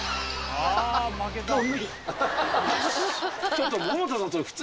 ちょっと。